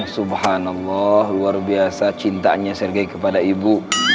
subhanallah luar biasa cintanya sergei kepada ibu